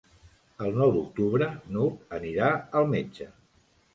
El nou d'octubre n'Hug anirà al metge.